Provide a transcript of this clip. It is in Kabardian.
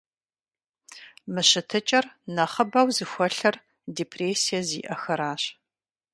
Мы щытыкӀэр нэхъыбэу зыхуэлъэр депрессие зиӀэхэращ.